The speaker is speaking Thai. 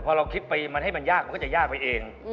พอเราคิดไปมันให้มันยากมันก็จะยากไปเอง